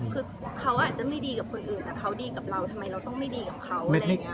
คือเขาอาจจะไม่ดีกับคนอื่นแต่เขาดีกับเราทำไมเราต้องไม่ดีกับเขาอะไรอย่างนี้